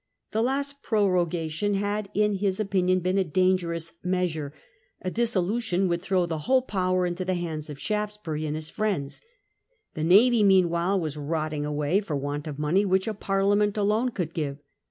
The last prorogation had, in his opinion, been a dan gerous measure ; a dissolution would throw the whole power into the hands of Shaftesbury and his friends. The navy meanwhile was rotting away for want of money which a Parliament alone could give.